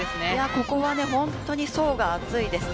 ここは本当に層が厚いですね。